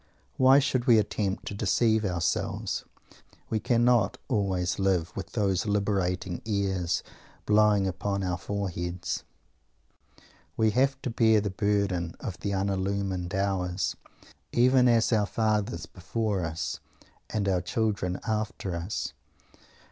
Why should we attempt to deceive ourselves? We cannot always live with those liberating airs blowing upon our foreheads. We have to bear the burden of the unillumined hours, even as our fathers before us, and our children after us.